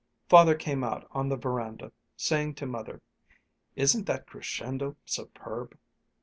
Father came out on the veranda, saying to Mother, "Isn't that crescendo superb?"